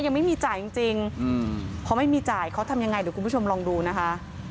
ยังไม่มีจ่ายจริงจริงเขาไม่มีจ่ายเขาทำยังไงเดี๋ยวคุณผู้ชมลองดูนะคะ